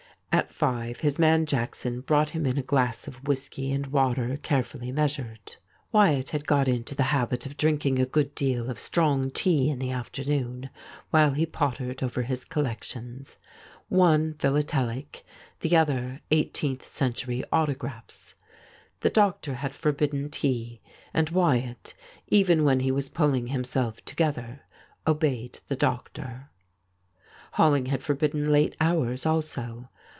At five his man Jackson brought him in a glass of whisky and water, carefully measured. Wyatt had got 35 THIS IS ALL into the habit of drinking a good deal of strong tea in the afternoon while he pottered over his collec tions — one philatelic^ the other eighteenth century autographs. The doctor had forbidden tea, and Wyattj even when he was pulling himself together, obeyed the doctor. Rolling had forbidden late hours also.